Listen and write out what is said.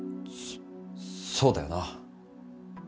そそうだよな。